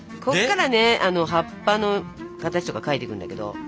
ここからね葉っぱの形とか描いていくんだけど。